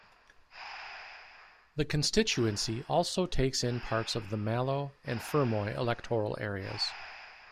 The constituency also takes in parts of the Mallow and Fermoy electoral areas.